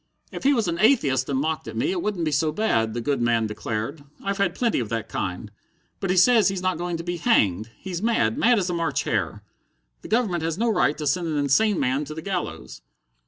"If he was an atheist and mocked at me it wouldn't be so bad," the good man declared. "I've had plenty of that kind. But he says he's not going to be hanged. He's mad, mad as a March hare. The Government has no right to send an insane man to the gallows."